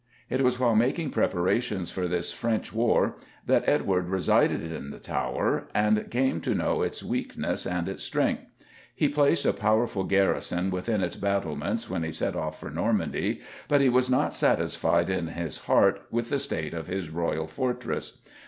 It was while making preparations for this French war that Edward resided in the Tower and came to know its weakness and its strength. He placed a powerful garrison within its battlements when he set off for Normandy, but he was not satisfied in his heart with the state of his royal fortress.